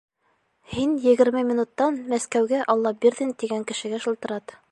Һин егерме минуттан Мәскәүгә Аллабирҙин тигән кешегә шылтырат.